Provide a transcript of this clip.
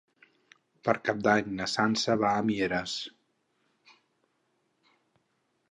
Per Cap d'Any na Sança va a Mieres.